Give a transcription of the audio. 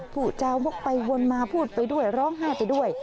ผู้จาวกไปวนมาพูดไปด้วยร้องไห้ไปด้วย